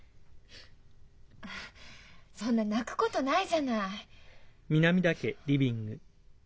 そんな泣くことないじゃない。